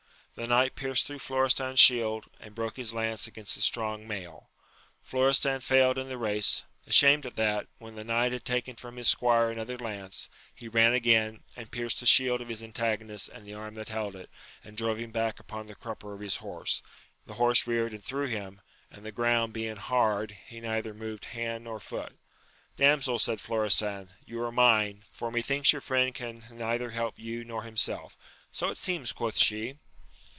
The knight pierced through Florestan's shield, and broke his lance against the strong mail. Florestan failed in the race : ashamed at that, when the knight had taken from his squire another lance, he ran again, and pierced the shield of his antagonist and the arm that held it, and drove him back upon the crupper of his horse \ the horse reared and threw him, and the ground being hard, he neither moved hand nor foot. Damsel, said Florestan, you are mine ; for methinks your friend can neither help you nor himself. So it seems, quoth she.